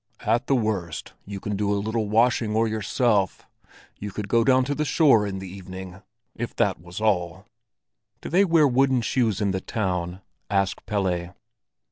At the worst you can do a little washing or yourself; you could go down to the shore in the evening, if that was all!" "Do they wear wooden shoes in the town?" asked Pelle.